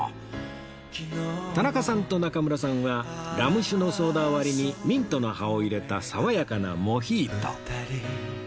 田中さんと中村さんはラム酒のソーダ割りにミントの葉を入れた爽やかなモヒート